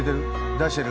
出してる？